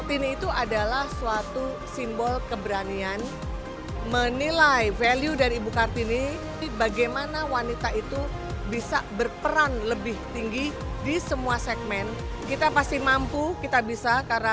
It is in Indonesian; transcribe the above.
untuk bisa berpotensi di segala sektor